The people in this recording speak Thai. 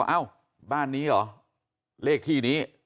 เอ้าบ้านนี้เหรอเลขที่นี้